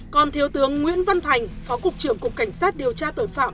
còn thiếu tướng nguyễn văn thành phó cục trưởng cục cảnh sát điều tra tội phạm